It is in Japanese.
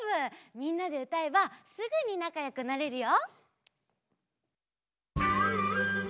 みんなでうたえばすぐになかよくなれるよ。